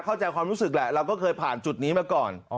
เข้าใจความรู้สึกแหละเราก็เคยผ่านจุดนี้มาก่อน